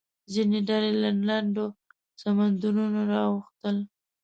ځینې ډلې له لنډو سمندرونو اوښتل.